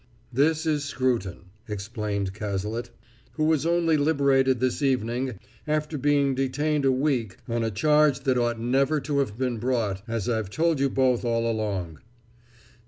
"] "This is Scruton," explained Cazalet, "who was only liberated this evening after being detained a week on a charge that ought never to have been brought, as I've told you both all along."